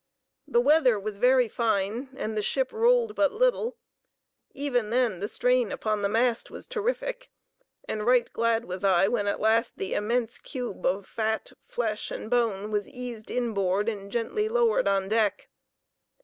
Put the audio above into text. The weather was very fine, and the ship rolled but little; even then, the strain upon the mast was terrific, and right glad was I when at last the immense cube of fat, flesh, and bone was eased inboard and gently lowered on deck.